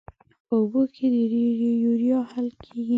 په اوبو کې د یوریا حل کیږي.